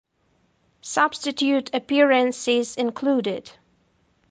Substitute appearances included.